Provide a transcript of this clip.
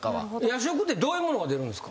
夜食ってどういうものが出るんですか？